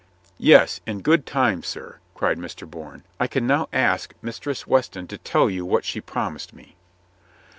"Yes, in good time, sir," cried Mr. Bourne. "I can now ask Mistress Weston to tell you what she promised me."